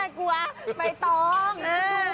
กลัวไม่ต้อง